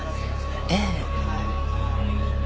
ええ。